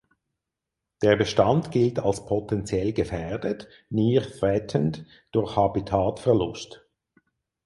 Der Bestand gilt als potentiell gefährdet ("near threatened") durch Habitatverlust.